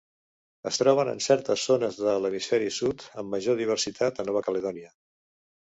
Es troben en certes zones de l'hemisferi sud, amb major diversitat a Nova Caledònia.